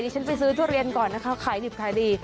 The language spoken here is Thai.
ฉันไปซื้อทุเรียนก่อนนะคะขายดิบขายดี